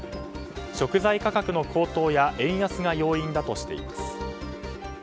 食材価格の高騰や円安が要因だとしています。